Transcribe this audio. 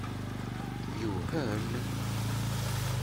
Yewhem?